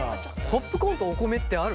ポップコーンとお米ってある？